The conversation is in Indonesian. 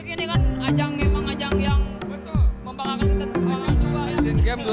ini kan ajang ajang yang membanggakan kita